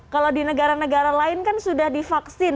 kalau di negara negara lain kan sudah divaksin